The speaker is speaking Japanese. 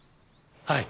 はい！